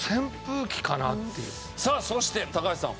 さあそして高橋さん